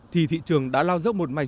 thì thị trường đã lao dốc một mạch